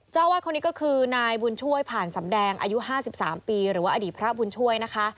เจ้าอาวาสคนนี้ก็คือนายบุญช่วยผ่านสำแดงอายุ๕๓ปีหรือว่าอดีตพระบุญช่วยนะคะ